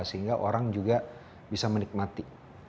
sehingga orang juga bisa menikmati